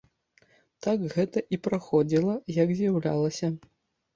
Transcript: Так гэта і праходзіла, як з'яўлялася.